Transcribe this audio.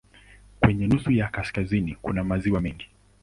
Kwenye nusu ya kaskazini kuna maziwa mengi.